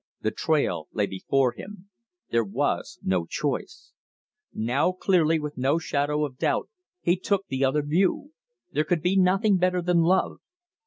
The trail lay before him; there was no choice. Now clearly, with no shadow of doubt, he took the other view: There could be nothing better than Love.